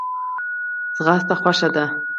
منډه خوښه ده.